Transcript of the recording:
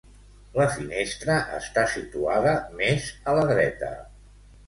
La finestra està situada més a la dreta.